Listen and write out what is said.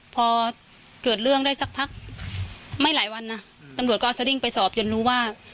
พอเกิดเรื่องได้สักพักไม่หลายวันนะตำรวจก็เอาสดิ้งไปสอบจนรู้ว่า